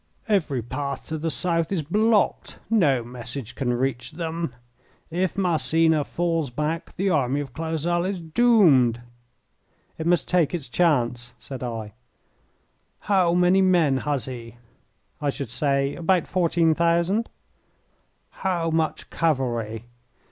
"Every path to the south is blocked. No message can reach them. If Massena falls back the army of Clausel is doomed." "It must take its chance," said I. "How many men has he?" "I should say about fourteen thousand." "How much cavalry?"